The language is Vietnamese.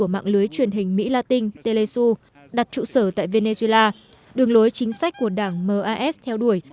mỹ latin telesu đặt trụ sở tại venezuela đường lối chính sách của đảng mas theo đuổi